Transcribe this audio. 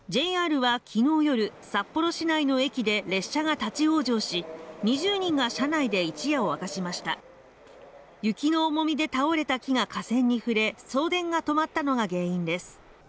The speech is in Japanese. ＪＲはきのう夜、札幌市内の駅で列車が立ち往生し２０人が車内で一夜を明かしました雪の重みで倒れた木が架線に触れ送電が止まったのが原因です